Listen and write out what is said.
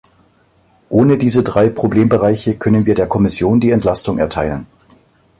Ohne diese drei Problembereiche können wir der Kommission die Entlastung erteilen.